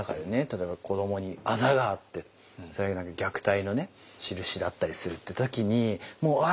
例えば子どもにあざがあってそれが何か虐待のねしるしだったりするって時にもううわ！